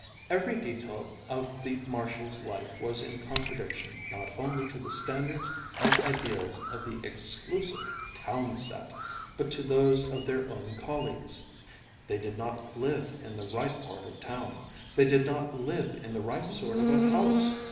Every detail of the Marshalls' life was in contradiction not only to the standards and ideals of the exclusive "town set," but to those of their own colleagues. They did not live in the right part of town. They did not live in the right sort of a house.